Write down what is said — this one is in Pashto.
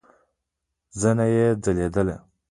زنه يې ځليدله.